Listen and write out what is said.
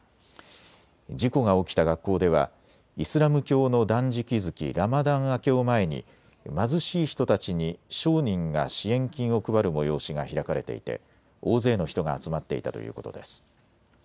事故が起きた学校ではイスラム教の断食月、ラマダン明けを前に貧しい人たちに商人が支援金を配る催しが開かれていて大勢の人が集まっていたということです。